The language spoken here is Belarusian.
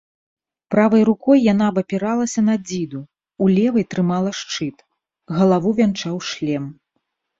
Правай рукой яна абапіралася на дзіду, у левай трымала шчыт, галаву вянчаў шлем.